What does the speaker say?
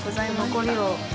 ◆残りを。